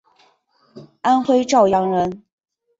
安徽阜阳人。